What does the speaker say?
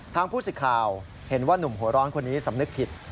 ผู้สิทธิ์ข่าวเห็นว่านุ่มหัวร้อนคนนี้สำนึกผิด